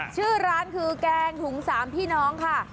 ชื่อร้านคือแกงถุงสามพี่น้องค่ะ